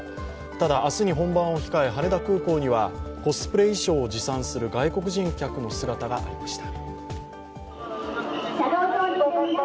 ただ、明日に本番を控え、羽田空港にはコスプレ衣装を持参する外国人観光客の姿がありました。